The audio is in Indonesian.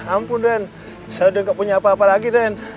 ampun saya sudah tidak punya apa apa lagi